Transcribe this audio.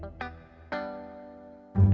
kau mau kemana